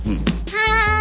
はい！